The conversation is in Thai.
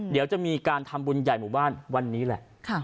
เดี๋ยวจะมีการทำบุญใหญ่หมู่บ้านวันนี้แหละ